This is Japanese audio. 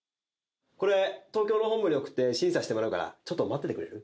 これ東京の本部に送って審査してもらうからちょっと待っててくれる？